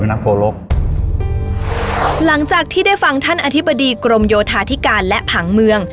หลังจากที่ได้ฟังท่านอธิบดีกรมโยธาธิการและผังเมือง